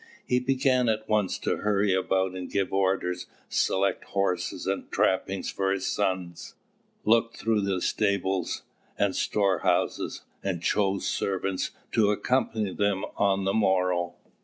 He began at once to hurry about and give orders; selected horses and trappings for his sons, looked through the stables and storehouses, and chose servants to accompany them on the morrow.